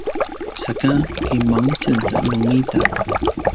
saka kimangtjez nungida?